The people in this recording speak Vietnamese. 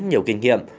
nhiều kinh nghiệm